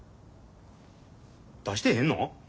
出してへんの？